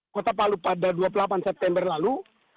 kota palu pada dua puluh delapan september lalu